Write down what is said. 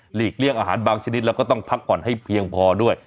เลี่ยงอาหารบางชนิดแล้วก็ต้องพักผ่อนให้เพียงพอด้วย